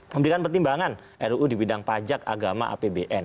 memberikan pertimbangan ruu di bidang pajak agama apbn